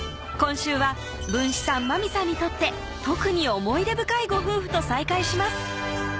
今週は文枝さん・まみさんにとって特に思い出深いご夫婦と再会します